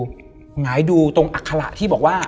ขอให้ดูตรงอัคคละที่บอกว่า